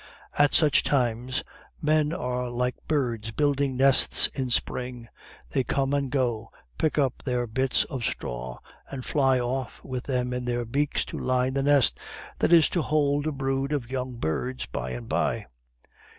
At such times men are like birds building nests in spring; they come and go, pick up their bits of straw, and fly off with them in their beaks to line the nest that is to hold a brood of young birds by and by.